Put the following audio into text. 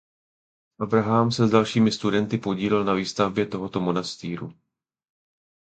Abrahám se s dalšími studenty podílel na výstavbě tohoto monastýru.